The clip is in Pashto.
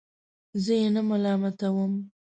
زه یې نه ملامتوم.